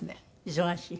忙しい？